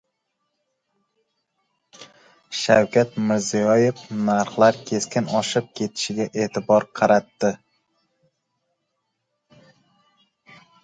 Shavkat Mirziyoyev narxlar keskin oshib ketishiga e’tibor qaratdi